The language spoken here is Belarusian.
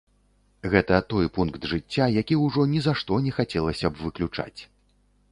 Гэта той пункт жыцця, які ўжо ні за што не хацелася б выключаць.